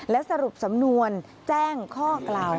และสรุปสำนวนแจ้งข้อกล่าว